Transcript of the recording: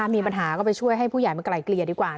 มีปัญหาก็ไปช่วยให้ผู้ใหญ่มาไกลเกลี่ยดีกว่า